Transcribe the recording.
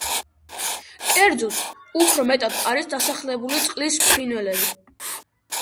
კერძოდ, უფრო მეტად არის დასახლებული წყლის ფრინველები.